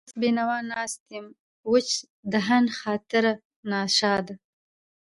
وس بېنوا ناست يم وچ دهن، خاطر ناشاده